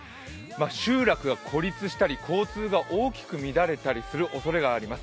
集落が孤立したり、交通が大きく乱れたりするおそれがあります。